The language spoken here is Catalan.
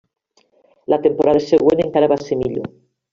La temporada següent encara va ser millor.